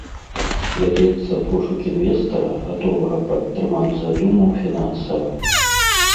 Вядзецца пошук інвестара, гатовага падтрымаць задуму фінансава.